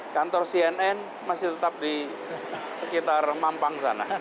kantor cnn masih tetap di sekitar mampang sana